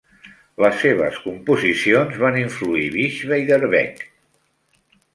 Les seves composicions van influir Bix Beiderbecke.